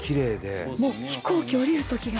もう飛行機降りるときが。